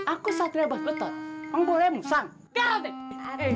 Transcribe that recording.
aku satria bas betot yang boleh musang